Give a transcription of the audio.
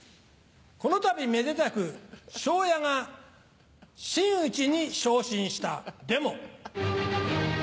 このたびめでたく昇也が真打ちに昇進したでも！